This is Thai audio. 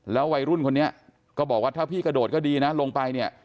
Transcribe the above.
วัยรุ่นคนนี้ก็บอกว่าถ้าพี่กระโดดก็ดีนะลงไปเนี่ย